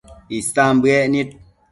Isan bëec nid